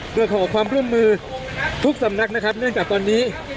โดยขอความร่วมมือทุกสำนักนะครับเนื่องจากตอนนี้